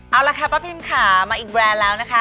เอาละค่ะป้าพิมค่ะมาอีกแบรนด์แล้วนะคะ